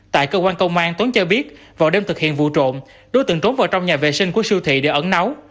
tại cơ quan công an tuấn cho biết vào đêm thực hiện vụ trộm đối tượng trốn vào trong nhà vệ sinh của siêu thị để ẩn nấu